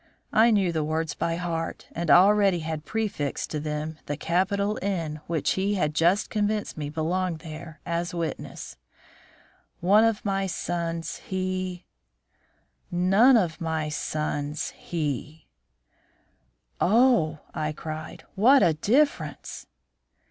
I knew the words by heart, and already had prefixed to them the capital N which he had just convinced me belonged there, as witness: "one of my sons he" "None of my sons he" "Oh!" I cried, "what a difference!"